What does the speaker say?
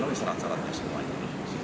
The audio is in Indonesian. penuhi syarat syaratnya semuanya